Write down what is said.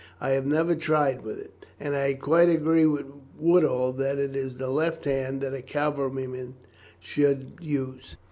I have never tried with it, and I quite agree with Woodall that it is the left hand that a cavalry man should use."